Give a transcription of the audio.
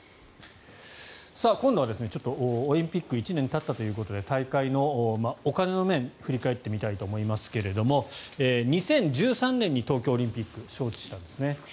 今度はオリンピック１年たったということで大会のお金の面振り返ってみたいと思いますが２０１３年に東京オリンピック招致したんですね。